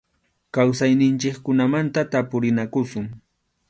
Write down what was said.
Kawsayninchikkunamanta tapurinakusun.